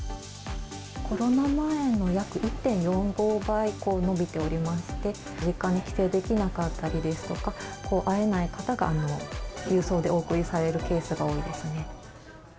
コロナ前の約１．４５倍伸びておりまして、実家に帰省できなかったりですとか、会えない方が郵送でお送りされるケースが多いですね。